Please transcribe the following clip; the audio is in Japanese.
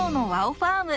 ファーム。